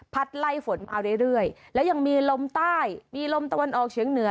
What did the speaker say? ไล่ฝนมาเรื่อยและยังมีลมใต้มีลมตะวันออกเฉียงเหนือ